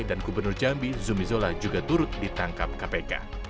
dan gubernur jambi zumi zola juga turut ditangkap kpk